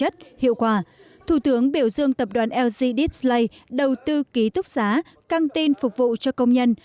thủ tướng biểu dương tập đoàn lg deepplay đầu tư ký túc giá căng tin phục vụ cho công nhân